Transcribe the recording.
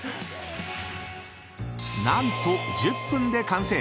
［何と１０分で完成！］